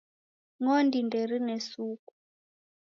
Ng'ondi nderine suku